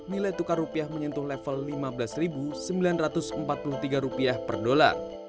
nilai tukar rupiah menyentuh level rp lima belas sembilan ratus empat puluh tiga rupiah per dolar